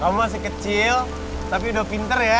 kamu masih kecil tapi udah pinter ya